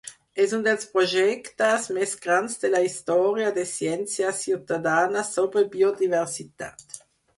És un dels projectes més grans de la història de ciència ciutadana sobre biodiversitat.